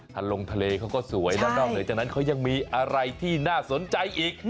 ถ้าลงทะเลเขาก็สวยแล้วนอกเหนือจากนั้นเขายังมีอะไรที่น่าสนใจอีก